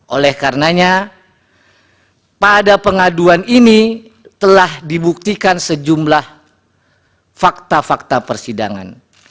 oleh karenanya pada pengaduan ini telah dibuktikan sejumlah fakta fakta persidangan